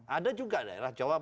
ada juga daerah jawa barat